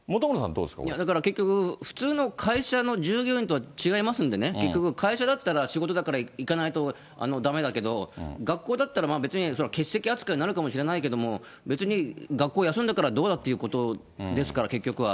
だから結局、普通の会社の従業員とは違いますんでね、結局、会社だったら仕事だから行かないとだめだけど、学校だったら、別に欠席扱いになるかもしれないけど、別に学校休んだからどうだっていうことですから、結局は。